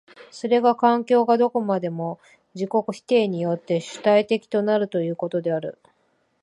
それが環境がどこまでも自己否定によって主体的となるということである。